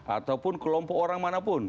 ataupun kelompok orang manapun